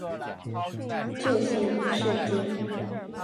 旧姓胜津。